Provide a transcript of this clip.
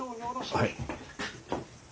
はい。